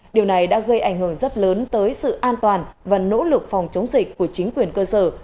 điều này đã gây ảnh hưởng rất lớn tới sự an toàn và nỗ lực phòng chống dịch của chính quyền cơ sở